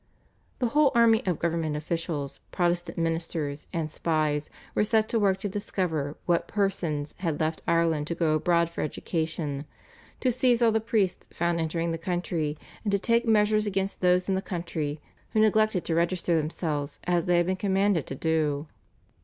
The whole army of government officials, Protestant ministers, and spies were set to work to discover what persons had left Ireland to go abroad for education, to seize all priests found entering the country, and to take measures against those in the country who neglected to register themselves as they had been commanded to do.